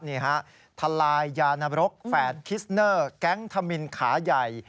นี่ฮะทลายยานบรกแฝดคิสเนอร์แก๊งธมินขาใหญ่